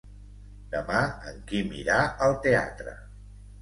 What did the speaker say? Demà en Quim irà al teatre.